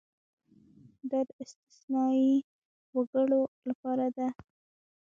دا د استثنايي وګړو لپاره ده.